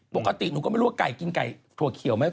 ปกติหนูก็ไม่รู้ว่าไก่กินไก่ถั่วเขียวไหม